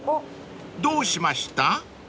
［どうしました？］